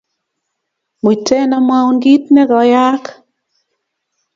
Muiten amwoun kiit nekoyaaka